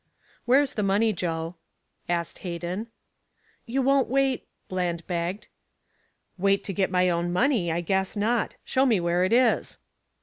"Where's the money, Joe?" asked Hayden. "You won't wait " Bland begged. "Wait to get my own money I guess not. Show me where it is."